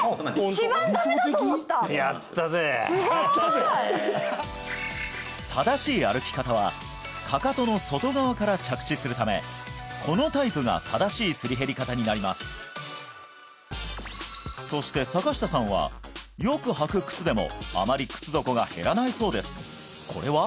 やったぜすごい正しい歩き方はかかとの外側から着地するためこのタイプが正しいすり減り方になりますそして坂下さんはよく履く靴でもあまり靴底が減らないそうですこれは？